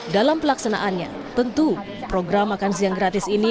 dalam pelaksanaannya tentu program makan siang gratis ini